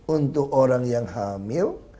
untuk orang yang hamil